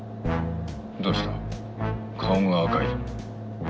どうした顔が赤い。